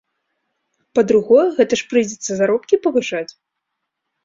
Па-другое, гэта ж прыйдзецца заробкі павышаць!